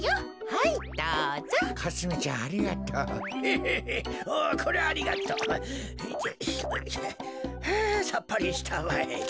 はあさっぱりしたわい。